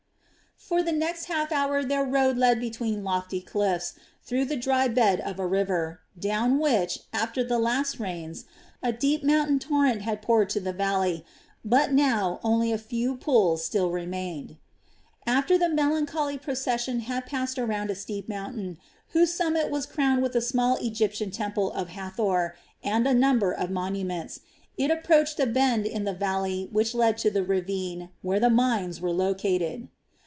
For the next half hour their road led between lofty cliffs through the dry bed of a river, down which, after the last rains, a deep mountain torrent had poured to the valley; but now only a few pools still remained. After the melancholy procession had passed around a steep mountain whose summit was crowned with a small Egyptian temple of Hathor and a number of monuments, it approached a bend in the valley which led to the ravine where the mines were located.